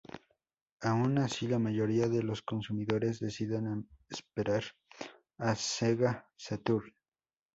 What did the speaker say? Aun así la mayoría de los consumidores decidieron esperar a Sega Saturn.